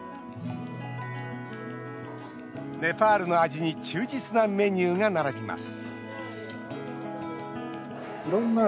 ネパールの味に忠実なメニューが並びます